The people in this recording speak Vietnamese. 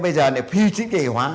bây giờ lại phi chính kỳ hóa